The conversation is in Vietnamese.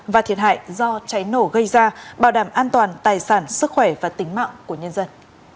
và thiệt hại do cháy nổ gây ra bảo đảm an toàn tài sản sức khỏe và tính mạng của nhân dân